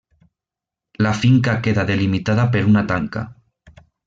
La finca queda delimitada per una tanca.